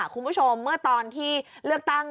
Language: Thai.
คุณผู้ชมเมื่อตอนที่เลือกตั้ง